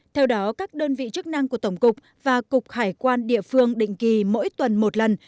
theo đó các đơn vị chức năng của tổng cục và cục hải quan địa phương định kỳ mỗi tuần một lần